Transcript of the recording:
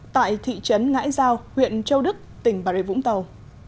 tại thị trấn ngãi giao huyện châu đức tỉnh bà rê vũng tàu